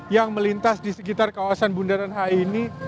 yang melintas di sekitar kawasan bundaran hi ini